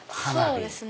そうですね。